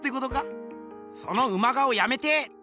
そのウマ顔やめて！